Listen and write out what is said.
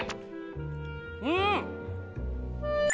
うん。